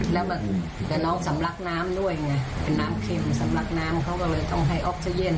แล้วแบบแต่น้องสำลักน้ำด้วยไงเป็นน้ำเข้มสำลักน้ำเขาก็เลยต้องให้ออกซิเจน